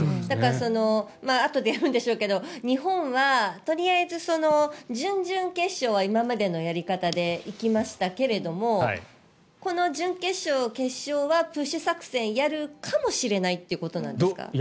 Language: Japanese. だからあとでやるんでしょうけど日本はとりあえず準々決勝は今までのやり方で行きましたけどこの準決勝、決勝はプッシュ作戦やるかもしれないということですか？